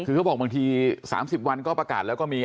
คือเขาบอกบางที๓๐วันก็ประกาศแล้วก็มี